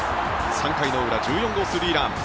３回の裏、１４号スリーラン。